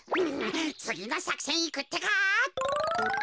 つぎのさくせんいくってか。